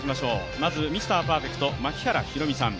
まずミスターパーフェクト・槙原寛己さん。